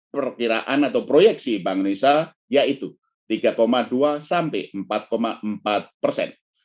perkiraan atau proyeksi bank indonesia yaitu tiga dua sampai empat empat persen